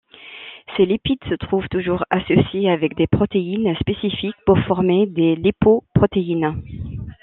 Ces lipides se trouvent toujours associés avec des protéines spécifiques pour former des lipoprotéines.